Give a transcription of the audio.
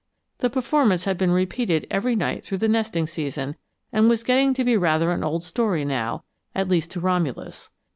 The performance had been repeated every night through the nesting season, and was getting to be rather an old story now, at least to Romulus.